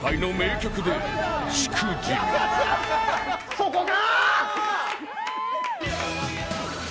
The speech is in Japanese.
そこか！